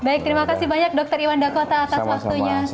baik terima kasih banyak dokter iwan dakota atas waktunya